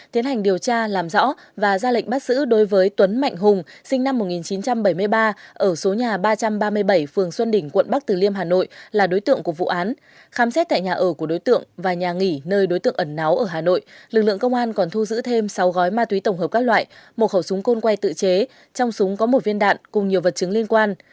khám xét tại nhà ở của đối tượng và nhà nghỉ nơi đối tượng ẩn náo ở hà nội lực lượng công an còn thu giữ thêm sáu gói ma túy tổng hợp các loại một khẩu súng côn quay tự chế trong súng có một viên đạn cùng nhiều vật chứng liên quan